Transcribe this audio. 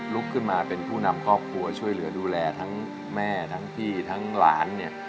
ลุกขึ้นมาเป็นผู้นำครอบครัวช่วยเหลือดูแลทั้งแม่ทั้งพี่ทั้งหลานเนี่ย